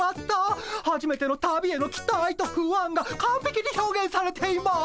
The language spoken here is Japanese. はじめての旅への期待と不安がかんぺきに表現されています。